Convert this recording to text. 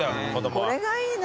これがいいね。